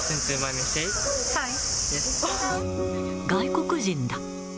外国人だ。